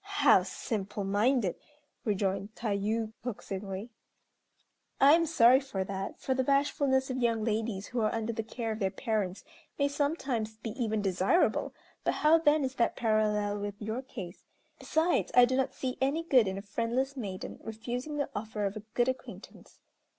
"How simple minded!" rejoined Tayû, coaxingly, "I am sorry for that, for the bashfulness of young ladies who are under the care of their parents may sometimes be even desirable, but how then is that parallel with your case? Besides, I do not see any good in a friendless maiden refusing the offer of a good acquaintance."